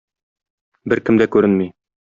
Беркем дә күренми.